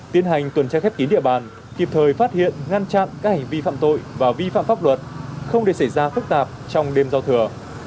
tiến hành tuần tra khép kín địa bàn kịp thời phát hiện ngăn chặn các hành vi phạm tội và vi phạm pháp luật không để xảy ra phức tạp trong đêm giao thừa